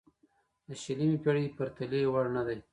د شلمې پېړۍ پرتلې وړ نه دی.